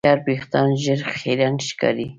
چرب وېښتيان ژر خیرن ښکاري.